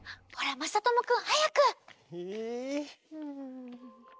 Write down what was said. まさともくん。